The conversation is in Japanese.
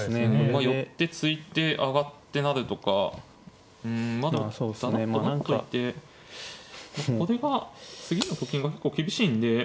まあ寄って突いて上がって成るとかうんまだだらっと待っといてこれは次のと金が結構厳しいんで。